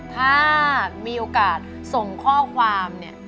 ถ้ามีโอกาสส่งข้อความเนี่ย